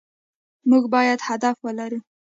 مونږ بايد هدف ولرو